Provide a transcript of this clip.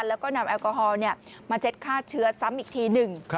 แล้วก็นำแอลกอฮอล์มาเช็ดฆ่าเชื้อซ้ำอีกทีหนึ่ง